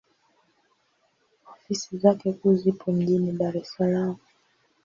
Ofisi zake kuu zipo mjini Dar es Salaam.